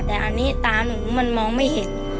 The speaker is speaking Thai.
แต่อันนี้ตาหนูมันมองไม่เห็น